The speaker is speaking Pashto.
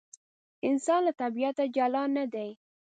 انسان له طبیعته جلا نه دی.